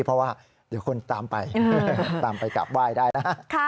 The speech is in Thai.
เพราะว่าเดี๋ยวคนตามไปตามไปกลับไหว้ได้นะ